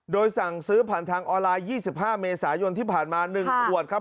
โดยสั่งซื้อผ่านทางออนไลน์๒๕เมษายนที่ผ่านมา๑ขวดครับ